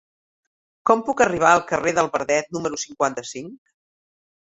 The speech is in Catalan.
Com puc arribar al carrer del Verdet número cinquanta-cinc?